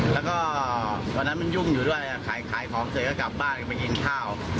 แล้วก็วันนั้นมันยุ่งอยู่ด้วยขายของเสร็จก็กลับบ้านกันไปกินข้าว